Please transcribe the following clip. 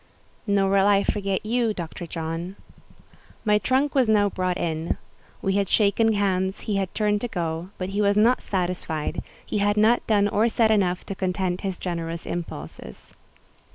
"Nor will I forget you, Dr. John." My trunk was now brought in. We had shaken hands; he had turned to go, but he was not satisfied: he had not done or said enough to content his generous impulses.